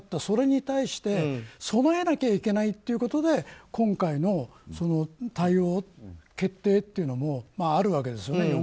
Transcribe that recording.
それに対して備えなきゃいけないということで今回の対応、決定というのもあるわけですよね。